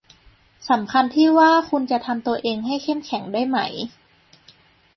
สำคัญที่ว่าคุณจะทำตัวเองให้เข้มแข็งได้ไหม